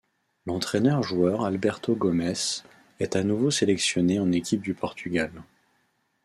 L'entraîneur-joueur Alberto Gomes, est à nouveau sélectionné en équipe du Portugal.